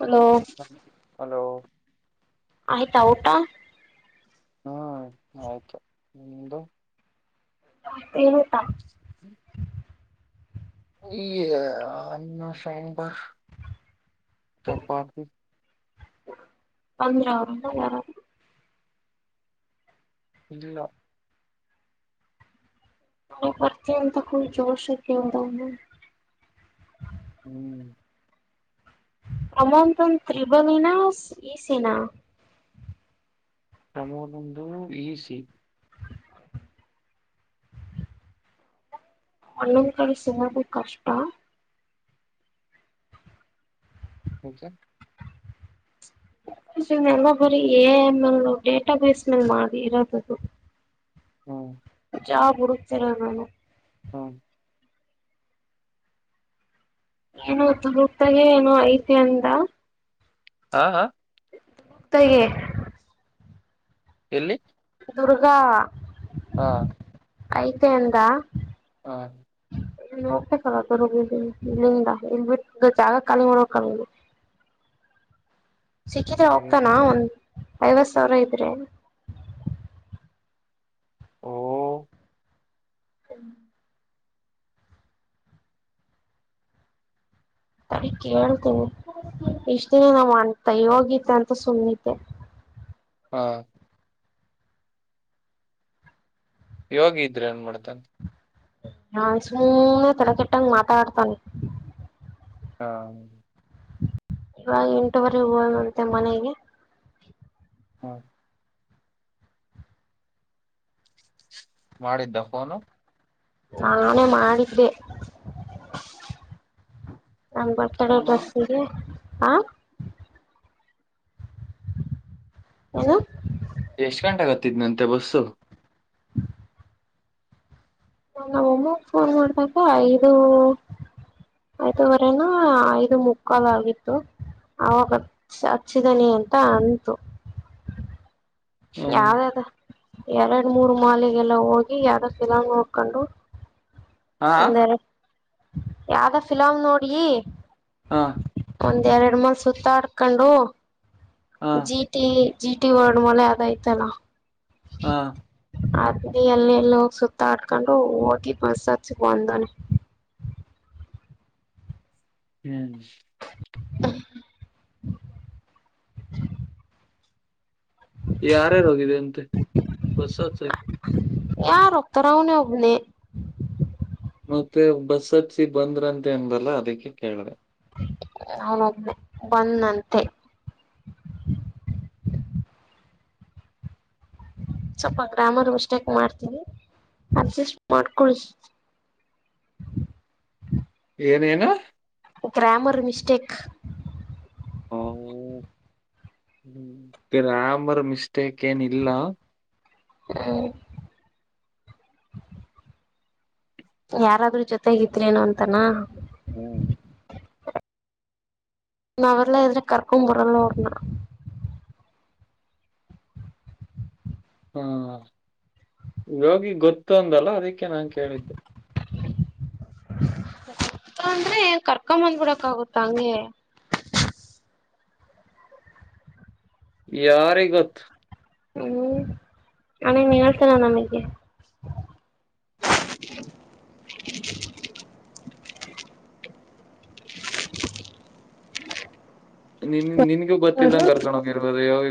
Hello hello ಆಯ್ತಾ ಊಟಾ ಹ್ಮ್ ಆಯ್ತು ನಿಂದು ಏನ್ ಊಟ ಈ ಅ ಶೈನ್ [unintelligible] ಚಪತಿ [unintelligible] ಯಾರ ಇಲ್ಲ ನಿನ್ ಬರ್ತೀಯ ಅಂತ ಫುಲ್ ಜೋಶಕ್ಕೆೇಳದ ಹ್ಮ್ ಅಮಂತನ್ ತ್ರಿಬಾನಿ ನಾ ಈಸಿನ ಪ್ರಮೋದೊಂದು ಈ ಸಿ ಅಣ್ಣಾ ದು [unintelligible] ಕಷ್ಟ ಯಾಕೆ ಎಲ್ಲ ಬರೀ ಎ ಎಂ ಡೇಟಾ ಬೇಸ್ ಮಲ್ಲಿ ಮಾಡಿ ಇರೋದದು ಹ್ಮ ಜಾಬ್ ಹುಡುಕ್ತಿರದವನು ಹ್ಮ ಏನು ತಾಗ ಏನೋ ಐತಿ ಅಂದ ಹಾ ಹಾ ತೆಗೆ ಎಲ್ಲಿ ದುರ್ಗಾ ಹಾ ಐ್ತ ಎಂದ ಹ ನೋಗ್ಬೇಕಲ್ಲ ಇಲ್ಲಿಂದ ಇಲ್ ಬಿಟ್ಟ ಜಾಗ ಕಖಾಲಿ ನೋ [unintelligible] ಸಿಕ್ಕಿದ್ರೆ ಹ್ಮ್. ಹೋಗ್ತಾನ ಒಂದ್ ಐವತ್ ಸಾವಿರ ಇದ್ರೆ ಓ ಹ್ಮ ಸರಿ ಕೇಳ್ತೀನಿ ಇಷ್ಟ ದಿನ ನಾ್ ಅೈ ಹೋಗಿತೆ ಅಂತ ಸುಮ್ಮತೆೆ [inaudible] ಹಾ ಯೋಗ ಇದ್ರೆ ಏನ್ ಮಾಡ್ತನ್ ನನ್ ಸುಮ್ಮನೆ ತಲೆ ಕೆಟ್ಟಂಗ ಮಾತಾ ಆಡ್ತಾನೆ ಹಾ ಎಂಟೂುವರೆ ಹದಂತೆ ಮನೆಗೆ ಹಾ ಮಾಡಿದ್ದ ಫೋನು ನೇ ಮಾಡಿದ್ದೆ ನಾ ಬರ್ತಡೆ ಫೋನು ಡ್ರಸ್ಿಗೆ ಹಾ ಹ ಎಷ್ಟ್ ಗಂಟೆ ಆಗತ್ತಿದ್ ನಂತೆ ಬಸ್ಸು ಹ್ಮ ನನ್ ಒಮ್ಮಾಗ ಫೋನ್ ಮಾಡಿದಾಗ ಇದು ಆಯದವರೆನಾ ಐದು ಮುಕ್ಕಾಲು ಆಗಿತ್ತು ಅವಾಗಚ್ಚ ಹಚ್ಚಿದನಿ ಅಂತ ಅಂಟು ಹ್ಮ್ ಯಾವ್ದ ಅದ ಎರಡು ಮೂರು ಮಾಲೆಿಗೆಲ್ಲ ಹೋಗಿ ಯಾರೋ ಚಫಿಲಂಗ್ ನೋಡ್ಕೊಂಡು ಹಾ ಅಂದರೆ ಯಾವ್ದ ಫಿಲಾಮ್ ನೋಡಿ ಹಾ ಒಂದ ಎರಡು ಮಲ್ ಸುತ್ತಾಡ್ಕೊಂಡು ಹಾ G T G T world ಮಲೆ ಅದಯ್ತಲ್ಲ ಹಾ ಇ ಎಲ್ಲ ಎಲ್ಲ ಹೋಗಿ ಸುತ್ತ ಆಡ್ಕೊಂಡು ಹೋಗಿ ಮಸ್ಸತ್ಸಿ ಬಂದನೆ ಹ್ಮ್ [inaudible] ಯಾರ್ಯಾರ ಹೋಗಿದೆ ಅಂತೆ ಹೊತ್ಸಸಯತು ಯಾರ ಒತರ ಅವನ ಒೋಗನೆ ಮತ್ತೆ ಬಸ್ ಹಚ್ಚಿ ಬಂದ್ರಂತೆ ಅನ್ಲ್ಲ ಅದಕ್ಕೆ ಕೇಳಿದೆ ಹೋಗ ಬಂದಂತೆ [inaudible] ಸ್ವಲ್ಪ ಗ್ರಾಮರ್ ಮಿಸ್ಟೇಕ್ ಮಾಡ್ತೀನಿ ಅಡ್ಜಸ್ ಮಾಡ್ಮ್ಟ ಏನೇನು ಗ್ರಾಮರ್ ಮಿಿಸ್ಟೇಕ್ ಹ್ಮ ಗ್ರಾಮರ್ ಮಿಸ್ಟೇಕ್ ಏನ ಇಿಲ್ಲ ಹ್ಮ [unintelligible] ಯಾರಾದ್ರೂ ಜೊತೆಗಿದ್ರ ನ ಅಂತಾನ ಹ್ಮ್ ಹ [unintelligible] ನ ಅವಲ್ಲ ಎ್ರ ಕಕ ಮುರಲ್ಲ ರ್ಣ ಹ್ಮ ರೋಗಿ ಗೊತ್ತು ಅಂದಲ್ಲ ಅದಕ್ಕೆ ನಾನ್ ಕೇಳಿದ್ದೆ [unintelligible] ಅಂದ್ರೆ ಕರ್ಕೊಂದ್ ಬಿಡಕ್ ಆಗುತ್ತ ಹಂಗೆ ಯಾರಿಗೆ ಗೊತ್ತು ಹ್ಮ್ ಆಣ [unintelligible] ನಿಂತೆನ ನಂಬಿಕ [unintelligible] ನಿನ್ ನಿನ್ಗೂ ಗೊಿಲ್ಲಂಗಗೆ ಕರ್ಕೊಂಡ ಹೋಗಿರ್ಬೋದು ಯಾವಾಗ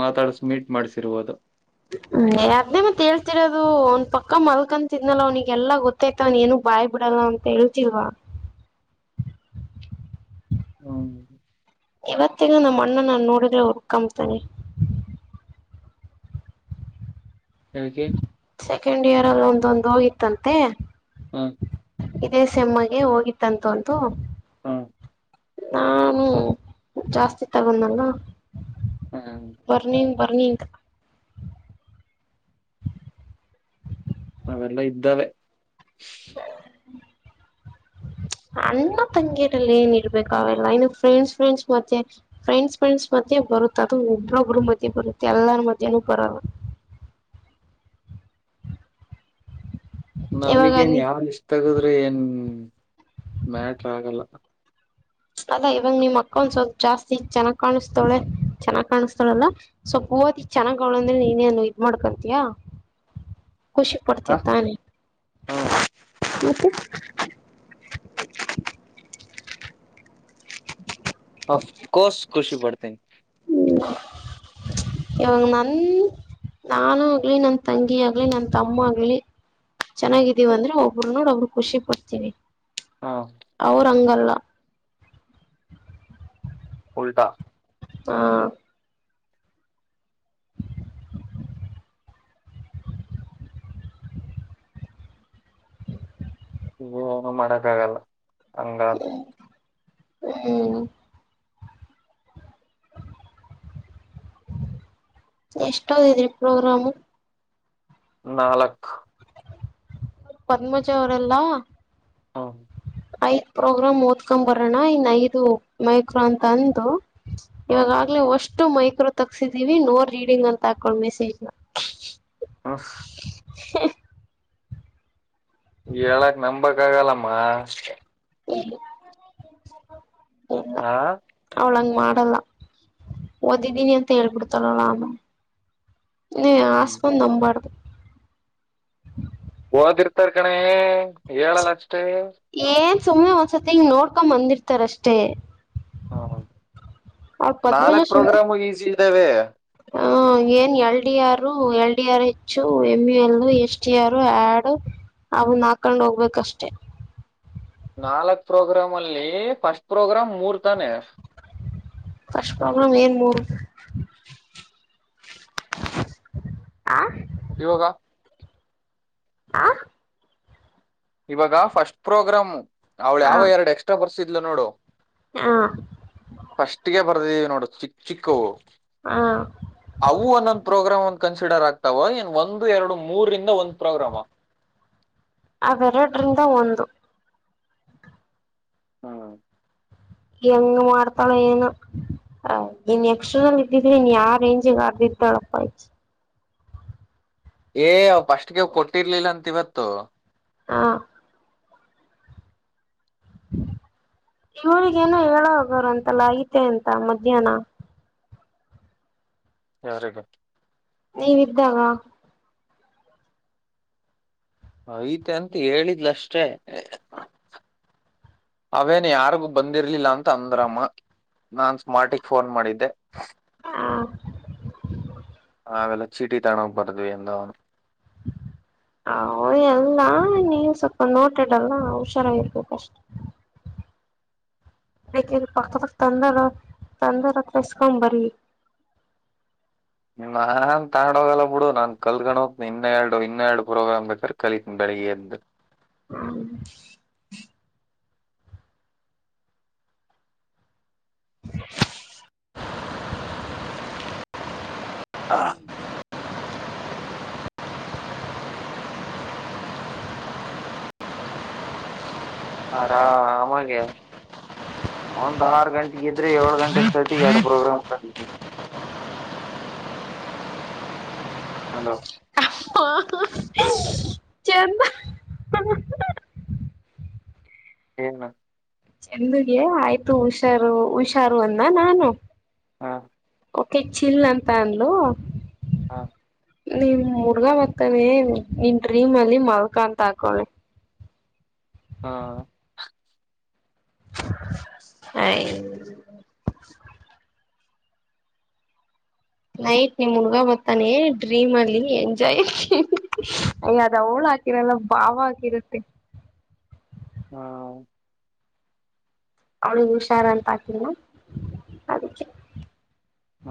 ಮಾತಾಡಸ ಮೀಟ್ ಮಾಡಸಿರ್ಬೋದು ಹ್ಮ ಅದ್ದೇ ಮತ್ತತ್ ಹೇಳ್ತಿರೋದು ಅವನ್ ಪಕ್ಕ ಮಲ್ಕಂತಿದ್ನಲ್ಲ ಅವನಿಗೆಲ್ಲಾ ಗೊತ್ತಾಯ್ತ ಅವ್ನ್ ಏನು ಭಯ ಬಿಡಲ್ಲ ಅಂತ ಎಳತಿವಾ ಹ್ಮ ಇವತ್ತಗ ನಮ್ಮ ಅಣ್ಣ ನಾನು ನೋಡಿದ್ರೆ ಹುರ್ಕಂಬತನನೆ ಯಾಕೆ ಸೆಕೆಂಡ್ ಇಯರ್ ಅಲ್ಲಿ ಒಂದೊಂದು ಹೋಗಿತ್ತಂತೆ ಹಾಂ ಇದೇ ಸಮ್ಮಗೆ ಹೋಗಿತ್ತಂತೆ ಹಾ ನಾನು ಜಾಸ್ತಿ ತಗೊಂಡಲ್ಲ ಹ್ಮ್ ಬರ್ ನೀನ್ ಬರ್ ಹನೇಕ [unintelligible] ಮಲ್ಲ [unintelligible] ಇದ್ದಲ್ಲೇ ಹ [unintelligible] ಅನ್ನ ತಂಗಿಯರಲ್ಲಿ ಏನ್ ಇರ್ಬೇಕ ಅವೆಲ್ಲ ಇನ್ನು ಫ್ರೆಂಡ್ಸ್ ಫ್ರೆಂಡ್ಸ್ ಮತ್ತೆ ಫ್ರೆಂಡ್ಸ್ ಫ್ರೆಂಡ್ಸ್ ಮತ್ತೆ ಬರುತ್ತೆ ಅದು ಒಬ್ರೊಬ್ರು ಮದೆ ಬರುತ್ತೆ ಎಲ್ಲಾರ ಮದನೂ ಬರಲ್ಲ ಇವಾಗ ನಮಗೇನ್ ನೀ ಯಾರ್ ಇಷ್ಟ ತಗದ್ರೆ ಏನ್ ಮ್ಯಾಟ್ರ ಆಗಲ್ಲ ಅದಾ ಇವಾಗ ನಿಮ್ ಅಕ್ಕ ಒಂದ ಸ್ವಲ್ಪ ಜಾಸ್ತಿ ಚೆನ್ನಾಗ್ ಕಾಣಿಸ್ತಾಳೆ ಚೆನ್ನಾಗ್ ಕಾಣಿಸ್ತಾಳಲ್ಲ ಸ್ವಲ್ಪ ಓತಿ ಚೆನ್ನಾಗ್ ಅವ್ಳ ಅಂದ್ರೆ ನೀನೇನು ಇದ್ ಮಾಡ್ಕೊತಯಾ ಖುಷಿ ಪಡ್ತ ಹ ತಾನೆ ಮತ್ತೆ ಅಫ್ಕೋರ್ಸ್ ಖುಷಿ ಪಡ್ತನೆ ಇವಂಗ ನನ್ ನಾನು ಆಗ್ಲಿ ನನ್ ತಂಗಿ ಆಗ್ಲಿ ನನ್ ತಮ್ಮ ಆಗ್ಲಿ ಹ್ಮ್ ಚೆನ್ನಾಗಿದೀವ ಅಂದ್ರೆ ಒಬರು ನೋಡ್ ಒ್ರ ಖುಷಿ ಪಡ್ತೀವಿ ಹ ಅವ್ರ ಹಂಗಲ್ಲ ಹ [unintelligible] ಉಲ್ಟಾ ಹಾ ಈ ಏನ ಮಾಡಕ್ಕ ಆಗಲ್ಲ ಹಂಗಾದ ಹ್ಮ್ ಎಷ್ಟದಿದ್ರಿ ಪ್ರೋಗ್ರಾಮು ನಾಲ್ಕು ಪನ್ಮಜ ಅವರಲ್ಲಾ ಹಾ ಐದ್ ಪ್ರೋಗ್ರಾಮ್ ಓದ್ಕೊ್ ಬರೋಣ್ಣ ಇನ್ ಐದು ಮೈಕ್ರೋ ಅಂತ ಅಂದು ಹ್ಮ್ ನಿಮಗಾಗಲೇ ವರ್ಷ ಎಷ್ಟು ಮೈಕ್ರೋ ತಕ್ಸಿದೀವಿ ನೋ ರೀಡಿಂಗ್ ಅಂತ ಹಾಕಳ ಮೆಸೇಜ್ ನ ಹಹ ಹ ಳಕ್ಕೆ ನಂಬಕ ಆಗಾಲಮ್ಮ ಹಾ ಅವಳಂಗ ಮಾಡಲ್ಲ ಓದಿದೀನಿ ಅಂತ ಹೇಳ್ಬಿಡ್ತಾರಲ್ಲ ಅಮ್ಮ ನೀ ಹ್ಮ್ ಆಸಪಂದ ನಂಬಾಾರದು ಹಓದಿರ್ತಾರ್ ಕಣ ಹೇಳಲ್ಲ ಅಷ್ಟೇ ಏನ್ ಸುಮ್ನೆ ಒಂದ್ಸತಿ ಹಿಂಗ ನೋಡ್ಕೊ್ ಬಂದಿರ್ತಾರಷ್ಟೇ ಹಾ ಹೌದು ಅವ ಪದ್ಮಜ ಸುಮ್ನೆ ಇದ್ದಾವೆ ಹ ಏನ್ ಎಲ್ಡಿ ಯಾರು L D R H M L S T R ಆಡು ನವುನ್ ಹಾಕೊಂಡ ಹೋಗ್ಬೇಕಷ್ಟೇ ನಾಲ್ಕ್ ಪ್ರೋಗ್ರಾಮ್ ಅಲ್ಲಿ ಫಸ್ಟ್ ಪ್ರೋಗ್ರಾಮ್ ಮೂರ್ ತಾನೇ ಫಶ ಪ್ರಬ್ಲ್ ಏನ್ ಮೂರು ಆ ಇವೋಗ ಆ ಇವಾಗ ಫಸ್ಟ್ ಪ್ರೋಗ್ರಾಮ್ ಅವ್ಳ ಯಾವ ಎರಡು ಎಕ್ಸ್ಟ್ರಾ ಬರ್ಸಿದ್ಲು ನೋಡು ಹಾ ನೋಡ ಚಿಕ್ಕ ಚಿಕ್ಕ ಹ ಅವು ಒಂದೊಂದು ಪ್ರೋಗ್ರಾಮ್ ಒಂದು ಕನ್ಸಿಡರ್ ಆಗ್ತಾವ ಏನ್ ಒಂದು ಎರಡು ಮೂರರಿಂದ ಒಂದ್ ಪ್ರೋಗ್ರಾಮ ಅವೆರಡರಿಂದ ಒಂದು ಹ್ಮ ಹೆಂಗ ಮಾಡ್ತಳ ಏನು ಹ ಇನ್ ಎಕ್ಷಸ್ಲ್ಲಿ ಇದ್ದಿದ್ರಿ ನೀನ್ ಯಾವ ರೇಂಜಗ್ ಆರ್ರ್ಳಪ್ಪ ಆಯ್ತು ಏ ಅವ ಪಫಸ್ಟ್ಗೆ ಅವ ಕೊಟ್ಟಿರ್ಲಿಲ್ಲ ಅಂತ ಇವತ್ತು ಹಾ ಇವರಿಗೇನು ಹೇಳ ಹೋಗೋರು ಅಂತಲ್ಲ ಐತೆ ಎಂತ ಮಧ್ಯಾಹ್ನ ಯಾರ ಗ ನೀವ ಇದ್ದಾಗ ಆಯ್ತ ಅಂತ ಹೇಳಿದ್ಲ ಅಷ್ಟೇ [inaudible] ಅವೇನು ಯಾರಿಗು ಬಂದಿರ್ಲಿಲ್ಲ ಅಂತ ಅಂದ್ರಮ್ಮ ನಾನ್ ಸ್ಮಾರ್ಟಿಗೆ ಫೋನ್ ಮಾಡಿದ್ದೆ ಆ ನಾವೆಲ್ಲ ಚೀಟಿ ತಾಣೋಗ್ ಬರ್ದ್ವಿ ಎಂದ [inaudible] ಹ ಎಲ್ಲ ನೀವು ಸ್ವಲ್ಪ ನೋಟಾಡಲ್ಲ ಹುಷಾರ ಇರ್ಬೇಕಷ್ಟ ಹ ಅತ ಪಕ್ಕ ಪಕ್ಕ ತಂದರ ತಂದರ ಹತ್ರ ಎಸ್ಕೊ ಬರ [inaudible] ನಿಮ್ಮ ಹ ಅಂತ ಆಡೋಗಲ್ಲ ಬಿಡು ನಾನ್ ಕಲ್ಕೊಂಡ ಹೋ್ನಿ ಇನ್ನ ಎರಡು ಇನ್ನೆರಡು ಪ್ರೋಗ್ರಾಮ್ ಬೇಕಾದಾರೆ ಕಲಿತಿನನಿ ಬೆಳಗ್ಗೆ ಎಂತ ಹ್ಮ್ [inaudible] ಹಾ ಹ ರಾ ಆಮಗೆ ಒಂದ್ ಆರು ಗಂಟೆಗ ಇದ್ರೆ ಏಳು ಗಂಟೆಷ್ಟೈತಿ ಎರಡು ಪ್ರೋಗ್ರಾ ಕಂದವಿ [inaudible] ಹಲೋ ಹ ಚ ಏನು ಚಂದಗೆ ಆಯ್ತು ಹುಷಾರು ಹುಷಾರು ಅನ್ನ ನಾನು ಹಾ ತೆ ಚಿಲ್ ಅಂತ ಅಂದ್ಲು ಹಾ ನೀನ್ ಮುರ್ಗಾ ಮತಾನೆ ನಿನ್ ಡ್ರೀಮ್ ಅಲ್ಲಿ ಮಲ್ಕಾ ಅಂತ ಹಾಕಳಿ ಹಾ ಹ ನೈಟ್ ನಿಮ್ ಮುಣಗಾ ಬತ್ತಾನೆ ಡ್ರೀಮ್ ಅಲ್ಲಿ ಎಂಜಾಯ್ ಅಯದಳ ಹಾಕಿರಲ್ಲ ಭಾವ ಹಕಿರುತ್ತೆ ಹ ಅವಳಿಗೆ ಹುಷಾರಂತ ಅದಿಕ್ಕೆ ಹ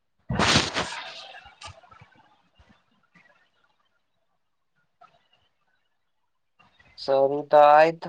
[inaudible] ಸರು ತ ಆಯತ್